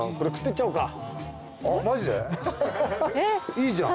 いいじゃん。